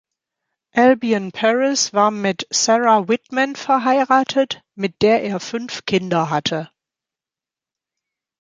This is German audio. Albion Parris war mit Sara Whitman verheiratet, mit der er fünf Kinder hatte.